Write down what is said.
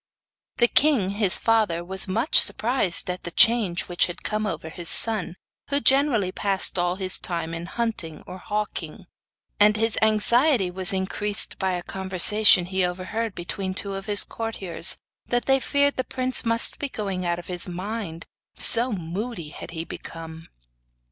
The king his father was much surprised at the change which had come over his son, who generally passed all his time in hunting or hawking, and his anxiety was increased by a conversation he overheard between two of his courtiers that they feared the prince must be going out of his mind, so moody had he become.